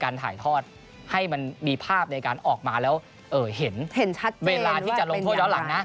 การถ่ายทอดให้มันมีภาพไปออกมาแล้วเห็นเวลาที่จะลงทดย้อนขับหลังนะ